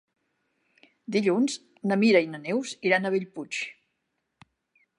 Dilluns na Mira i na Neus iran a Bellpuig.